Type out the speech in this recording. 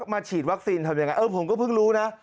ฉีดวัคซีนทำยังไงเออผมก็เพิ่งรู้นะ